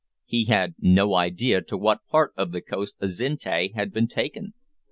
He had no idea to what part of the coast Azinte had been taken.